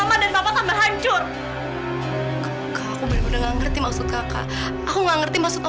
wanita yang menulis surat itu